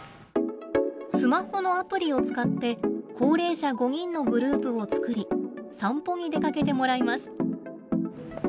スマホのアプリを使って高齢者５人のグループを作り散歩に出かけてもらいます。